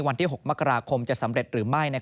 วันที่๖มกราคมจะสำเร็จหรือไม่